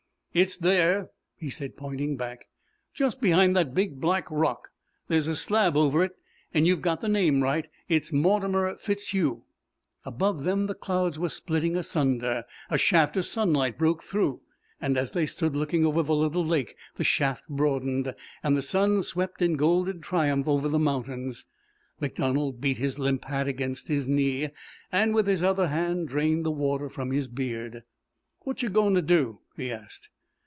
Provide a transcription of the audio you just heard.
"It's there," he said, pointing back. "Just behind that big black rock. There's a slab over it, an' you've got the name right. It's Mortimer FitzHugh." Above them the clouds were splitting asunder. A shaft of sunlight broke through, and as they stood looking over the little lake the shaft broadened, and the sun swept in golden triumph over the mountains. MacDonald beat his limp hat against his knee, and with his other hand drained the water from his beard. "What you goin' to do?" he asked.